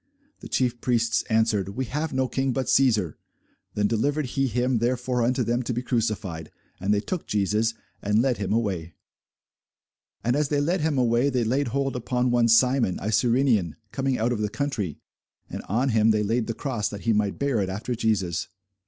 The chief priests answered, We have no king but Cæsar. Then delivered he him therefore unto them to be crucified. And they took Jesus, and led him away. [Sidenote: St. Luke 23] And as they led him away, they laid hold upon one Simon, a Cyrenian, coming out of the country, and on him they laid the cross, that he might bear it after Jesus.